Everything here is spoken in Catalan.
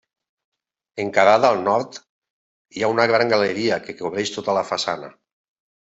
Encarada al nord hi ha una gran galeria que cobreix tota la façana.